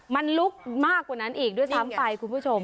มันลุกมากกว่านั้นอีกด้วยซ้ำไปคุณผู้ชม